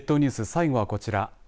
最後はこちら。